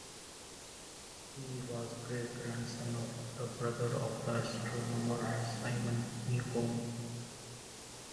He was the great-grandson of the brother of the astronomer Simon Newcomb.